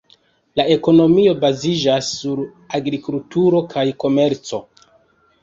La ekonomio baziĝas sur agrikulturo kaj komerco.